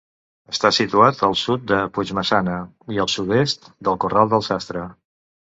Està situat al sud de Puigmaçana i al sud-est del Corral del Sastre.